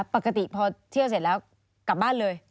ปกติพอเที่ยวเสร็จแล้วกลับบ้านเลย